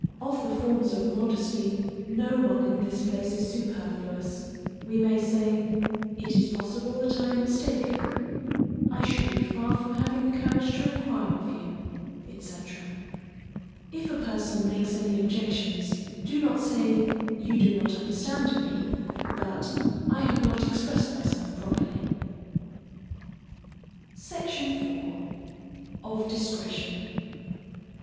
Of the forms of modesty, no one in this place is superfluous: we may say, "It is possible that I am mistaken, I should be far from having the courage to enquire of you," &c. If a person makes any objections, do not say, You do not understand me, but, I have not expressed myself properly. SECTION IV. _Of Discretion.